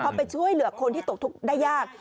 พอไปช่วยเหลือคนที่ตกทุกข์ได้ยาก